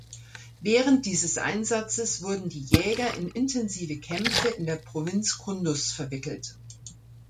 Während dieses Einsatzes wurden die Jäger in intensive Kämpfe in der Provinz Kunduz verwickelt.